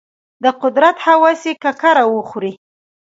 د قدرت هوس یې ککره وخوري.